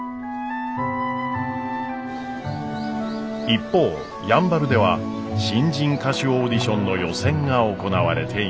一方やんばるでは新人歌手オーディションの予選が行われていました。